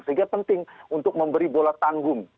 sehingga penting untuk memberi bola tanggung